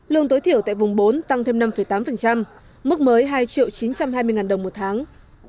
lương tối thiểu tại vùng bốn tăng thêm năm tám mức mới hai triệu chín trăm hai mươi đồng một tháng